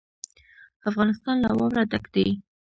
افغانستان له واوره ډک دی.